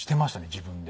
自分で。